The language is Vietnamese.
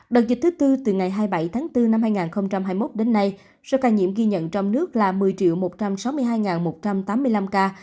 đợt dịch thứ tư từ ngày hai mươi bảy tháng bốn năm hai nghìn hai mươi một đến nay số ca nhiễm ghi nhận trong nước là một mươi một trăm sáu mươi hai một trăm tám mươi năm ca